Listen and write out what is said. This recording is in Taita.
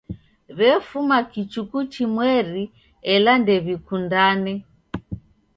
W'efuma kichuku chimweri ela ndew'ikundane.